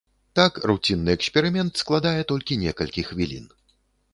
Так руцінны эксперымент складае толькі некалькі хвілін.